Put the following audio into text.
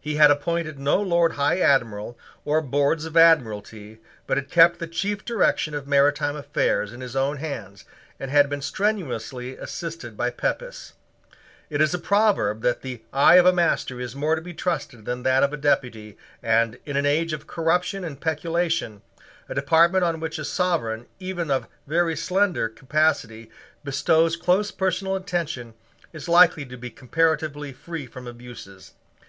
He had appointed no Lord High Admiral or Board of Admiralty, but had kept the chief direction of maritime affairs in his own hands, and had been strenuously assisted by Pepys. It is a proverb that the eye of a master is more to be trusted than that of a deputy: and, in an age of corruption and peculation, a department on which a sovereign, even of very slender capacity, bestows close personal attention is likely to be comparatively free from abuses.